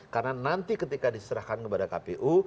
karena nanti ketika diserahkan kepada kpu